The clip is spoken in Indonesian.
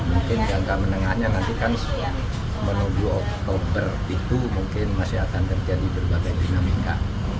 mungkin jangka menengahnya nanti kan menuju oktober itu mungkin masih akan terjadi berbagai dinamika